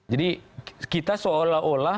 jadi kita seolah olah